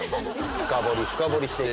深掘り深掘りしている。